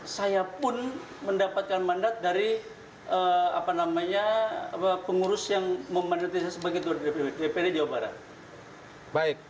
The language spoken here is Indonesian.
saya pun mendapatkan mandat dari pengurus yang memandatirkan saya sebagai dpp jawa barat